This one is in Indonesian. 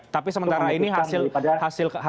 tapi sementara ini hasil